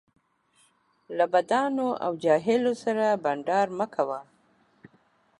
له بدانو او جاهلو سره بنډار مه کوه